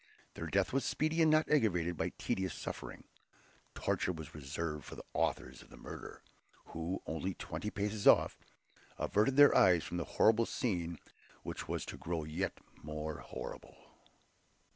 Their death was speedy and not aggravated by tedious suffering; torture was reserved for the authors of the murder, who, only twenty paces off, averted their eyes from the horrible scene which was to grow yet more horrible.